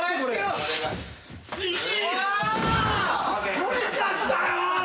取れちゃったよ！